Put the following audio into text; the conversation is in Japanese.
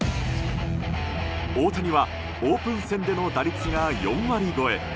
大谷はオープン戦での打率が４割超え。